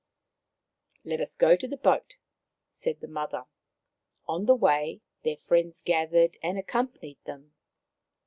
" Let us go to the boat/' said the mother. On the way their friends gathered and accompanied them.